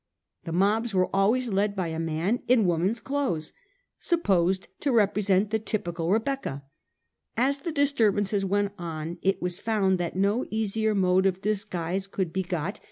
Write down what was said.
The mobs were always led by a man in woman's clothes, supposed to represent the typical Rebecca. As the disturbances went on, it was found that no easier mode of disguise could be got than 1843.